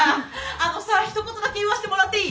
あのさひと言だけ言わしてもらっていい？